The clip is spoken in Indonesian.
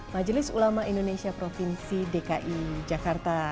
majelis ulama indonesia provinsi dki jakarta